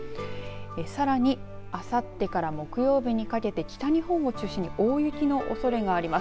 さらにあさってから木曜日にかけて北日本を中心に大雪のおそれがあります。